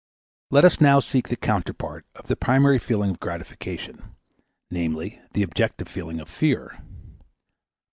Let us now seek the counterpart of the primary feeling of gratification, namely, the objective feeling of fear.